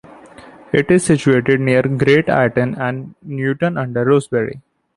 It is situated near Great Ayton and Newton under Roseberry.